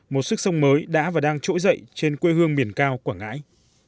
một sức sông mới đã và đang trỗi dậy trên quê hương miền cao quảng ngãi